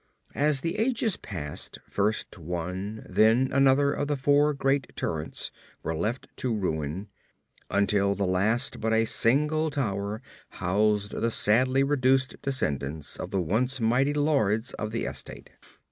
As the ages passed, first one, then another of the four great turrets were left to ruin, until at last but a single tower housed the sadly reduced descendants of the once mighty lords of the estate.